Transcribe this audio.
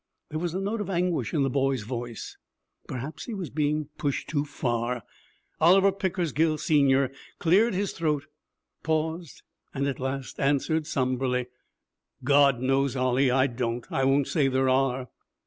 There was a note of anguish in the boy's voice. Perhaps he was being pushed too far. Oliver Pickersgill Senior cleared his throat, paused, and at last answered sombrely, 'God knows, Ollie. I don't. I won't say there are.'